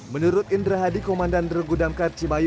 menurut indra hadi komandan dergu damkar cimahi